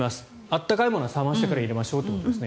温かいものは冷ましてから入れましょうと。